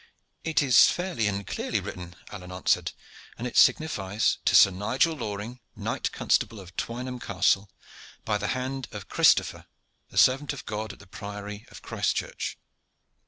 "It is fairly and clearly written," Alleyne answered, "and it signifies To Sir Nigel Loring, Knight Constable of Twynham Castle, by the hand of Christopher, the servant of God at the Priory of Christchurch."